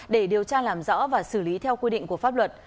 để điều tra làm rõ và xử lý theo quy định của pháp luật